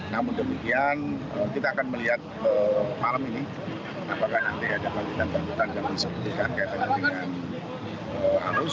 namun demikian kita akan melihat malam ini apakah nanti ada panggiltan balikan yang disembunyikan kaitannya dengan arus